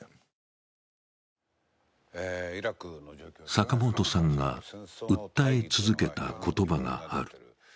坂本さんが訴え続けた言葉がある。